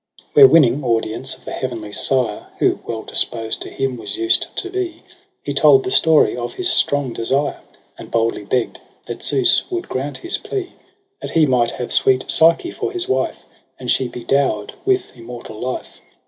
II Where winning audience of the heavenly sire. Who well disposed to him was used to be. He told the story of his strong desire j And boldly begg'd that Zeus would grant his plea, That he might have sweet Psyche for his wife. And she be dower'd with immortal life.